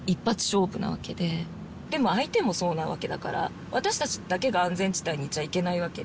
でも相手もそうなわけだから私たちだけが安全地帯にいちゃいけないわけで。